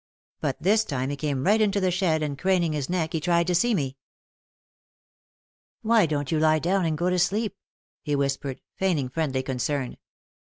But this time he came right into the shed and craning his neck he tried to see. "Why don't you lie down and go to sleep,' , he whis pered, feigning friendly concern.